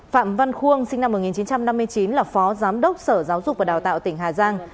phạm văn khuôn sinh năm một nghìn chín trăm năm mươi chín là phó giám đốc sở giáo dục và đào tạo tỉnh hà giang